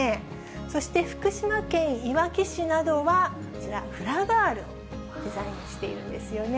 そして福島県いわき市などは、こちら、フラガールをデザインしているんですよね。